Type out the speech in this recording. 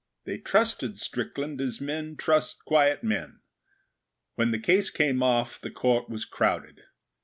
They trusted Strickland as men trust quiet men. When the case came off the Court was crowded.